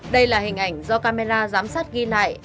đây là hình ảnh do camera giám sát ghi lại